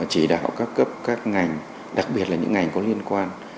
chỉ đạo các cấp các ngành đặc biệt là những ngành có liên quan